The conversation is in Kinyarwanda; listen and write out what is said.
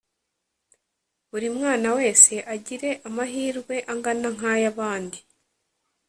buri mwana wese agire amahirwe angana nkayabandi